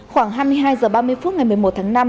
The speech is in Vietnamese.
khoảng hai mươi hai h ba mươi phút ngày một mươi một tháng năm